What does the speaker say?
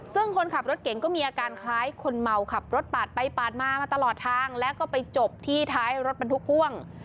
ซึ่งคนขับรถเก่งก็มีอาการคล้ายคนเมาขับรถปาดไปปาดมามาตลอดทางแล้วก็ไปจบที่ท้ายรถบรรทุกพ่วง